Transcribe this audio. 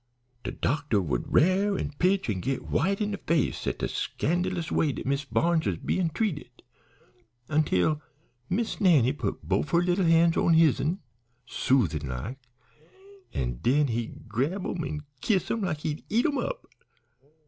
De doctor would rare an' pitch an' git white in de face at de scandlous way dat Miss Barnes was bein' treated, until Miss Nannie put bofe her leetle han's on his'n, soothin' like, an' den he'd grab 'em an' kiss 'em like he'd eat 'em up.